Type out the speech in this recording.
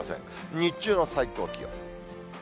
日中の最高気温。